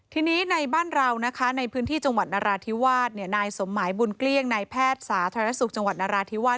ทีนี้ในบ้านเรานะคะในพื้นที่จังหวัดนราธิวาสนายสมหมายบุญเกลี้ยงนายแพทย์สาธารณสุขจังหวัดนราธิวาส